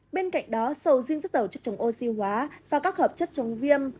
bên cạnh đó sầu riêng rất giàu chất chống oxy hóa và các hợp chất chống viêm